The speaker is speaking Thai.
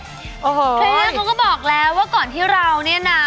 ทีนี้ก็ก็บอกแล้วว่าก่อนที่เราเนี้ยนะ